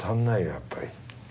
やっぱり。